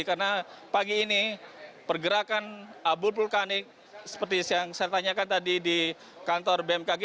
karena pagi ini pergerakan abu vulkanik seperti yang saya tanyakan tadi di kantor bmkg